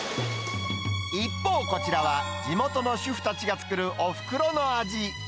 一方、こちらは地元の主婦たちが作るおふくろの味。